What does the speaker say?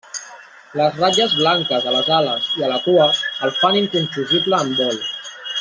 Les ratlles blanques a les ales i a la cua el fan inconfusible en vol.